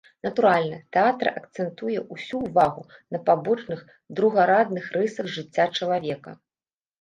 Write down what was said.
Натуральна, тэатр акцэнтуе ўсю ўвагу на пабочных, другарадных рысах жыцця чалавека.